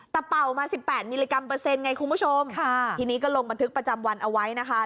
แต่เป่ามาสิบแปดมิลลิกรัมเปอร์เซ็นต์ไงคุณผู้ชมค่ะทีนี้ก็ลงบันทึกประจำวันเอาไว้นะคะ